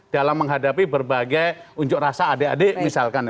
dalam menghadapi berbagai unjuk rasa adik adik misalkan